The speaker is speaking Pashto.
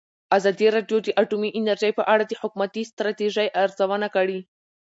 ازادي راډیو د اټومي انرژي په اړه د حکومتي ستراتیژۍ ارزونه کړې.